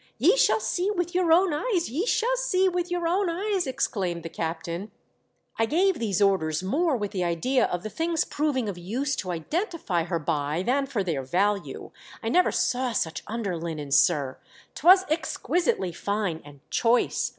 " Ye shall see with your own eyes — ye shall see with your own eyes !" exclaimed the captain. " I gave these orders more with the idea of the things proving of use to identify her by than for their value. I never saw such under linen, sir. 'Twas exquisitely fine and choice.